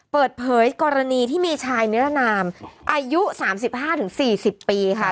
เปิดเผยกรณีที่มีชายนิรนามอายุ๓๕๔๐ปีค่ะ